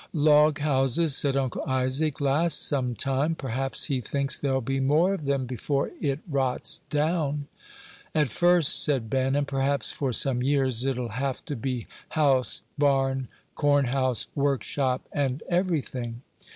"Log houses," said Uncle Isaac, "last some time; perhaps he thinks there'll be more of them before it rots down." "At first," said Ben, "and perhaps for some years, it'll have to be house, barn, corn house, workshop, and everything."